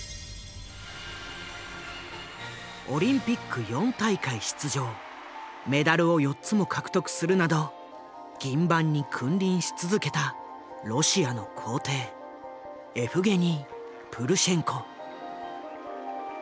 オリンピック４大会出場メダルを４つも獲得するなど銀盤に君臨し続けたロシアの「皇帝」エフゲニー・プルシェンコ。